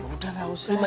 udah gak usah